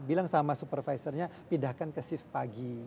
bilang sama supervisornya pindahkan ke shift pagi